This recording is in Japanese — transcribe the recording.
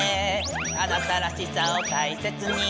「あなたらしさをたいせつに」